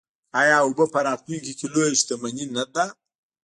آیا اوبه په راتلونکي کې لویه شتمني نه ده؟